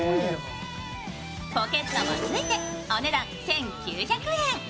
ポケットも付いてお値段１９００円。